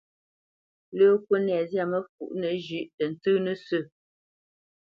Lə́ kúnɛ zyâ məfǔʼnə zhʉ̌ʼ tə ntsə́ nə̂ sə̂.